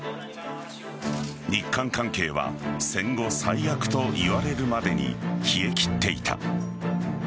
日韓関係は戦後最悪と言われるまでに冷え切っていた。